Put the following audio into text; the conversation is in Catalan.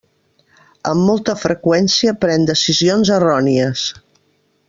Amb molta freqüència pren decisions errònies.